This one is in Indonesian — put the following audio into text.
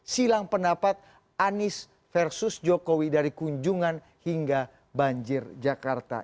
silang pendapat anies versus jokowi dari kunjungan hingga banjir jakarta